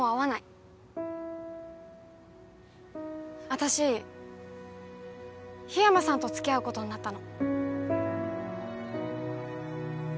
私緋山さんとつきあうことになったの。